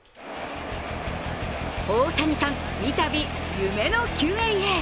大谷さん、三度夢の球宴へ！